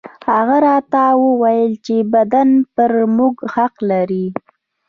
هغه راته وويل چې بدن پر موږ حق لري.